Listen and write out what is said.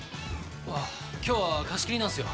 今日は貸し切りなんすよ。